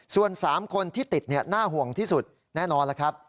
ส่วน๓คนที่ติดน่าห่วงที่สุดแน่นอนแล้วครับ